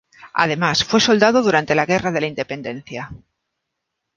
Además, fue soldado durante la Guerra de Independencia.